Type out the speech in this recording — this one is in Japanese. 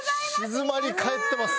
静まり返ってます。